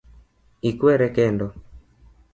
Ikwere kendo.